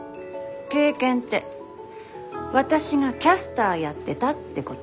経験って私がキャスターやってたってこと？